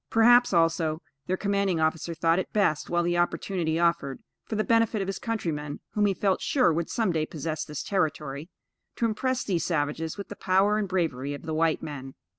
Perhaps, also, their commanding officer thought it best, while the opportunity offered, for the benefit of his countrymen, whom he felt sure would some day possess this territory, to impress these savages with the power and bravery of the white men.